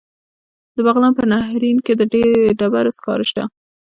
د بغلان په نهرین کې د ډبرو سکاره شته.